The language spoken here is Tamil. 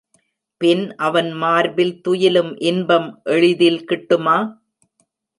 பின் அவன் மார்பில் துயிலும் இன்பம் எளிதில் கிட்டுமா?